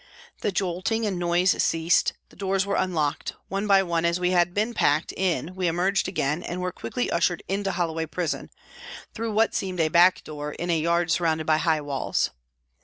The jolting and noise ceased, the doors were unlocked, one by one as we had been packed in we emerged again and were quickly ushered into Holloway Prison, through what seemed a back door in a yard surrounded by high walls.